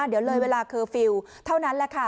เดี๋ยวเลยเวลาเคอร์ฟิลล์เท่านั้นแหละค่ะ